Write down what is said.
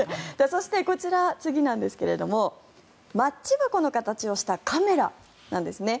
そして、こちら次なんですけれどマッチ箱の形をしたカメラなんですね。